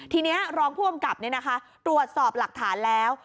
ทีนี้รองผู้กำกับตรวจสอบหลักฐานแล้ว